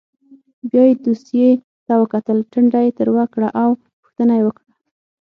بیا یې دوسیې ته وکتل ټنډه یې تروه کړه او پوښتنه یې وکړه.